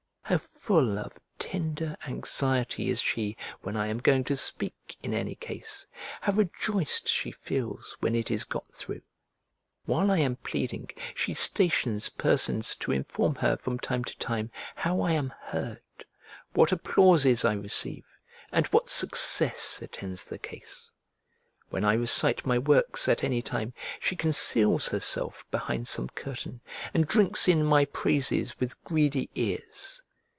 How full of tender anxiety is she when I am going to speak in any case, how rejoiced she feels when it is got through. While I am pleading, she stations persons to inform her from time to time how I am heard, what applauses I receive, and what success attends the case. When I recite my works at any time, she conceals herself behind some curtain, and drinks in my praises with greedy ears.